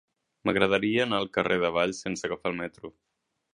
M'agradaria anar al carrer de Valls sense agafar el metro.